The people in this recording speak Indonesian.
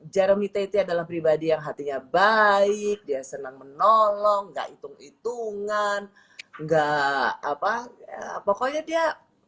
jaromi tete adalah pribadi yang hatinya baik dia senang menolong enggak hitung hitungan enggak apa pokoknya dia